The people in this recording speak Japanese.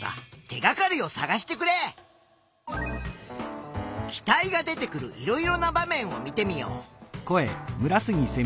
気体が出てくるいろいろな場面を見てみよう。